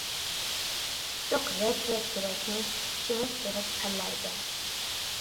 تىكتۇق رەت-رەت تېرەكنى، چۆمۈپ تۇرۇپ تەرلەرگە.